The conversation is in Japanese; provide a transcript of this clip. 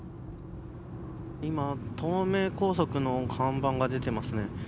今東名高速の看板が出てますね。